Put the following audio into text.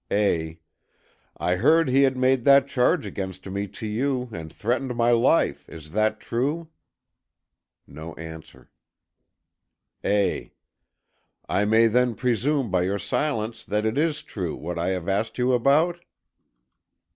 A. "I heard he had made that charge against me to you and threatened my life is this true?" No answer. A. "I may then presume by your silence that it is true what I have asked you about?"